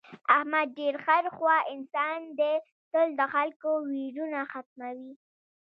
احمد ډېر خیر خوا انسان دی تل د خلکو ویرونه ختموي.